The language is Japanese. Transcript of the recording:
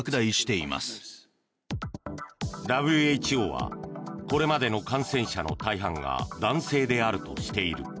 ＷＨＯはこれまでの感染者の大半が男性であるとしている。